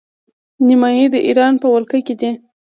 نیمايي د ایران په ولکه کې دی.